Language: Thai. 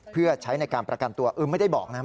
เพื่อใช้ในการประกันตัวเออไม่ได้บอกนะครับ